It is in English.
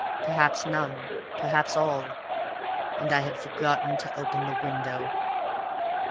Perhaps none; perhaps all. And I had forgotten to open the window!